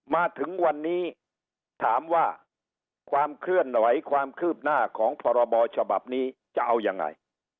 มาถึงวันนี้ถามว่าความเคลื่อนไหวความคืบหน้าของพรบฉบับนี้จะเอายังไง